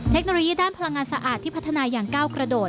เทคโนโลยีด้านพลังงานสะอาดที่พัฒนาอย่างก้าวกระโดด